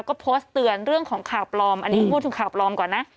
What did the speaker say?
ก็โพสต์เตือนเรื่องของข่าวปลอมอันนี้พูดถึงข่าวปลอมก่อนนะ